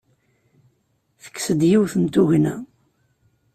Tekkes-d yiwet n tugna.